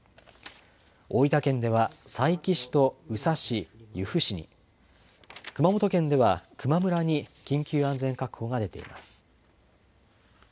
大分県では、佐伯市と宇佐市、由布市に、熊本県では球磨村に緊急安全確保が出ています。